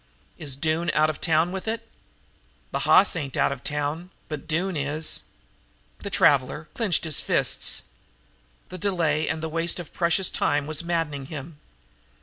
Is Doone out of town with it?" "The hoss ain't out of town, but Doone is." The traveler clenched his fists. This delay and waste of priceless time was maddening him.